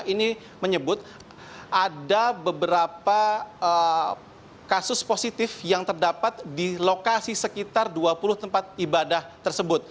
ini menyebut ada beberapa kasus positif yang terdapat di lokasi sekitar dua puluh tempat ibadah tersebut